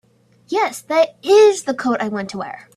Yes, that IS the coat I want to wear.